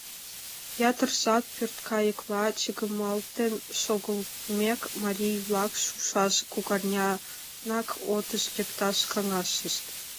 Ятыр жап пӧрткайыкла чыгымалтен шогылтмек, марий-влак шушаш кугарнянак отыш лекташ каҥашышт.